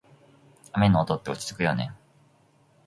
雨の音って落ち着くよね。